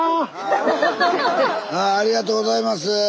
ありがとうございます。